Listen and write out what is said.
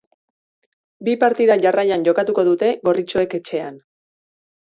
Bi partida jarraian jokatuko dute gorritxoek etxean.